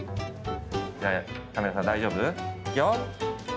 じゃあ、カメラさん大丈夫？いくよ？